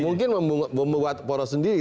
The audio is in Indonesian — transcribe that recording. mungkin membuat poros sendiri